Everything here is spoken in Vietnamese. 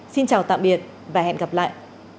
xin chào tạm biệt và hẹn gặp lại